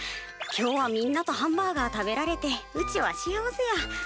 今日はみんなとハンバーガー食べられてうちは幸せや。